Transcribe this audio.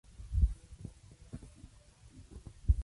Rompió el tanque de combustible de Messerschmitt de un primer disparo.